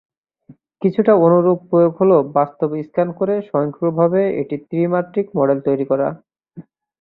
কিছুটা অনুরূপ প্রয়োগ হল বস্তুর স্ক্যান করে স্বয়ংক্রিয়ভাবে এটির ত্রিমাত্রিক মডেল তৈরি করা।